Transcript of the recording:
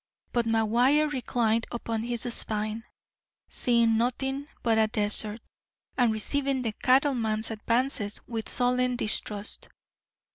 But McGuire reclined upon his spine, seeing nothing but a desert, and receiving the cattleman's advances with sullen distrust.